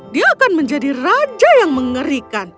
dia akan menjadi raja yang mengerikan